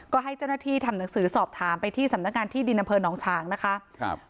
ก็ให้เจ้าหน้าที่ทำหนังสือสอบถามไปที่สำนักงานที่ดินำเพิร์นหนองสางแล้ว